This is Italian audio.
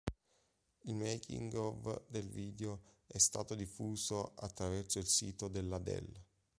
Il making of del video è stato diffuso attraverso il sito della Dell.